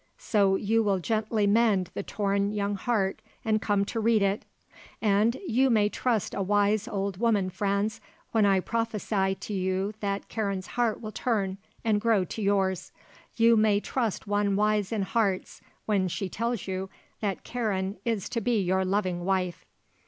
So you will gently mend the torn young heart and come to read it. And you may trust a wise old woman, Franz, when I prophesy to you that Karen's heart will turn and grow to yours. You may trust one wise in hearts when she tells you that Karen is to be your loving wife."